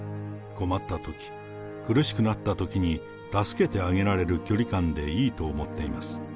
困ったとき、苦しくなったときに助けてあげられる距離感でいいと思っています。